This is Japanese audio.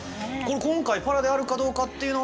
今回、パラであるかどうかっていうのは。